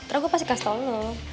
terus gue pasti kasih tau lo